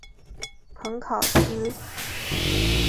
蓬考斯。